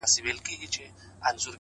هره هڅه د هویت برخه جوړوي,